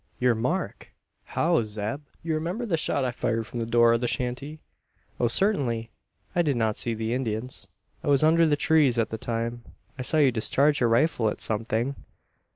"Your mark! How, Zeb?" "Ye remimber the shot I fired from the door o' the shanty?" "Oh, certainly! I did not see the Indians. I was under the trees at the time. I saw you discharge your rifle at something."